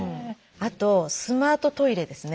あとスマートトイレですね。